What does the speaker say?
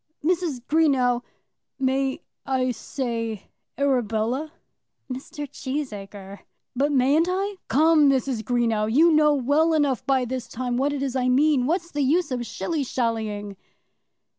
"Mrs. Greenow, may I say Arabella?" "Mr. Cheesacre!" "But mayn't I? Come, Mrs. Greenow. You know well enough by this time what it is I mean. What's the use of shilly shallying?"